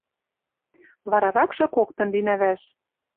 Вараракшы коктын линӓ вӓш...